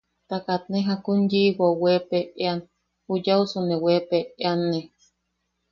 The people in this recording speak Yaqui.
Ta katne jakun yiʼiwao, weepeʼean juyausune, weanpeʼeanne.